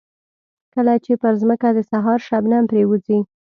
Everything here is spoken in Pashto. کله چې پر ځمکه د سهار شبنم پرېوځي.